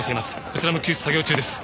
こちらも救出作業中です。